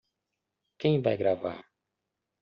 Quem vai gravar?